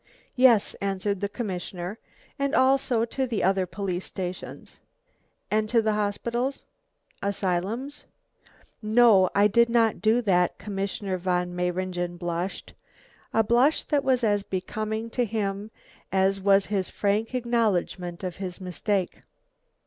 "Yes," answered the commissioner, "and also to the other police stations." "And to the hospitals? asylums?" "No, I did not do that." Commissioner von Mayringen blushed, a blush that was as becoming to him as was his frank acknowledgment of his mistake.